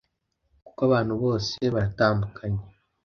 kuko abantu bose baratandukanye,